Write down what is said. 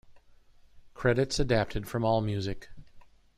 Credits adapted from Allmusic.